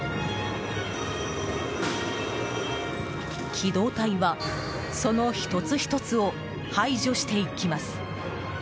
機動隊は、その１つ１つを排除していきます。